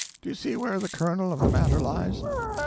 Do you see where the kernel of the matter lies?